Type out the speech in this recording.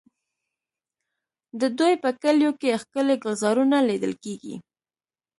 د دوی په کلیو کې ښکلي ګلزارونه لیدل کېږي.